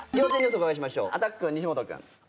お伺いしましょうアタック西本君。